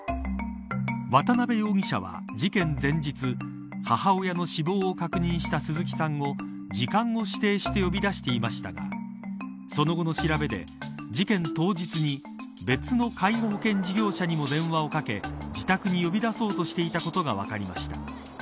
渡辺容疑者は、事件前日母親の死亡を確認した鈴木さんを時間を指定して呼び出していましたがその後の調べで事件当日に別の介護保険事業者にも電話をかけ自宅に呼び出そうとしていたことが分かりました。